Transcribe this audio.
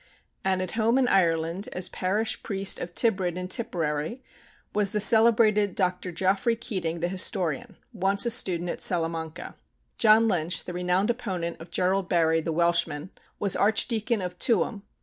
And at home in Ireland, as parish priest of Tybrid in Tipperary, was the celebrated Dr. Geoffrey Keating the historian, once a student at Salamanca. John Lynch, the renowned opponent of Gerald Barry the Welshman, was Archdeacon of Tuam.